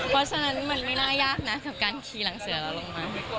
เพราะฉะนั้นมันไม่น่ายากนะการคีย์หลังเสือแล้วลงมา